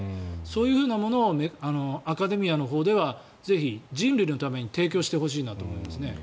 そういうふうなものをアカデミアのほうではぜひ人類のために提供してほしいなと思います。